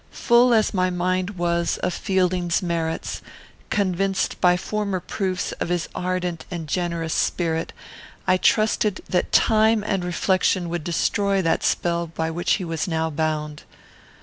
Full as my mind was of Fielding's merits, convinced by former proofs of his ardent and generous spirit, I trusted that time and reflection would destroy that spell by which he was now bound.